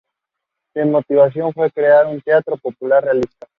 Su motivación fue crear un teatro popular realista.